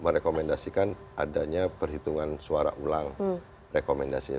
merekomendasikan adanya perhitungan suara ulang rekomendasinya